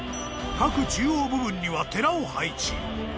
各中央部分には寺を配置］